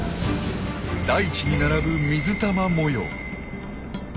大地に並ぶ水玉模様。